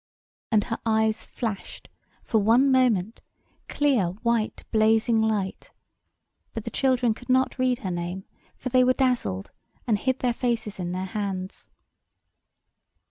And her eyes flashed, for one moment, clear, white, blazing light: but the children could not read her name; for they were dazzled, and hid their faces in their hands.